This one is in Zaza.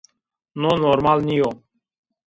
No normal nîyo